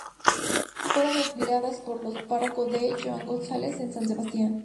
Fueron adquiridas por el párroco D. Juan González en San Sebastián.